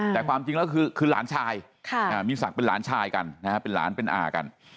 แต่ความจริงแล้วคือหลานชายมีศักดิ์เป็นหลานชายกันนะฮะเป็นหลานเป็นอากัน